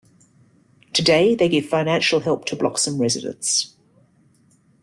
Today they give financial help to Bloxham residents.